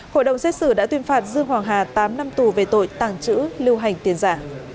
hội đồng xét xử đã tuyên phạt dương hoàng hà tám năm tù về tội tàng trữ lưu hành tiền giả